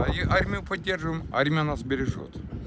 kami akan melakukan penyelamatkan pada saat saat